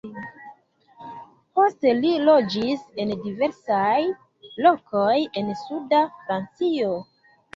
Poste li loĝis en diversaj lokoj en suda Francio.